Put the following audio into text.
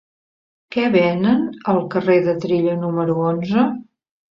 Què venen al carrer de Trillo número onze?